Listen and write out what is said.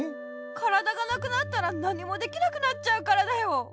からだがなくなったらなにもできなくなっちゃうからだよ！